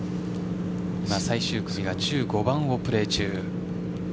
最終組が１５番をプレー中。